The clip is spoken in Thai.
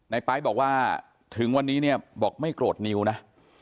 ไป๊บอกว่าถึงวันนี้เนี่ยบอกไม่โกรธนิวนะ